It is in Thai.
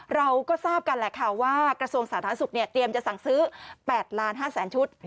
เราก็ทราบกันแหละค่ะว่ากระทรวงสาธารณสุขเนี่ยเตรียมจะสั่งซื้อ๘๕๐๐๐ชุด